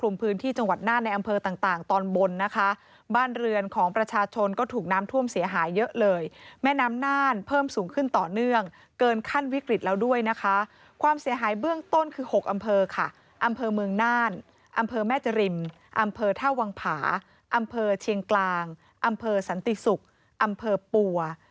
อำเภอเชียงกลางอำเภอสันติศุกร์อำเภอปั่ว